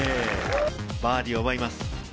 バーディーを奪います。